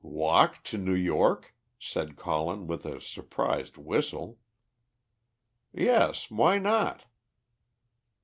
"Walk to New York?" said Colin, with a surprised whistle. "Yes! Why not?"